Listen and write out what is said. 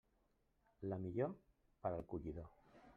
La millor, per al collidor.